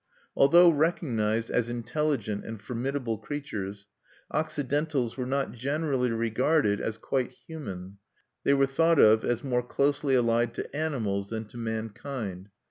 Although recognized as intelligent and formidable creatures, Occidentals were not generally regarded as quite human; they were thought of as more closely allied to animals than to mankind.